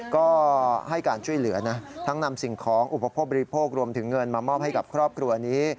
ก็ให้การช่วยเหลือนะทั้งนำสิ่งของอุปโภคบริโภครวมถึงเงินมามอบให้กับครอบครัวนี้